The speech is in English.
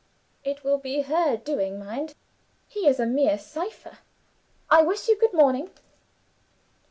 It will be her doing, mind he is a mere cypher. I wish you good morning.